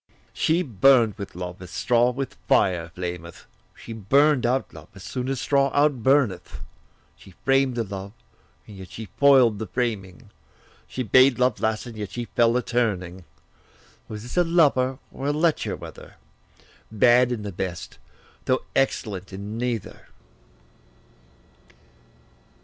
She burn'd with love, as straw with fire flameth; She burn'd out love, as soon as straw outburneth; She framed the love, and yet she foil'd the framing; She bade love last, and yet she fell a turning. Was this a lover, or a lecher whether? Bad in the best, though excellent in neither.